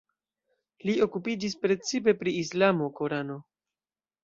Li okupiĝis precipe pri islamo, Korano.